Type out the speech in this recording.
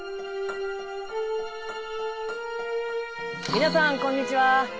皆さんこんにちは。